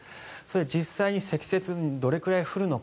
実際に積雪どれくらい降るのか。